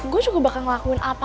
gue juga bakal ngelakuin apapun